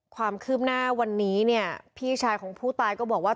ความคืบหน้าวันนี้เนี่ยพี่ชายของผู้ตายก็บอกว่า